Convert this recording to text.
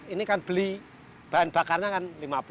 ini kan beli bahan bakarnya kan lima puluh